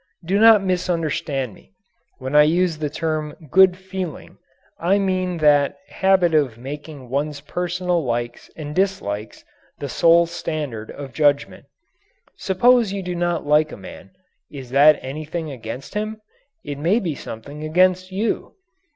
Do not misunderstand me; when I use the term "good feeling" I mean that habit of making one's personal likes and dislikes the sole standard of judgment. Suppose you do not like a man. Is that anything against him? It may be something against you.